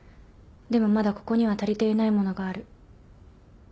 でもまだここには足りていないものがある。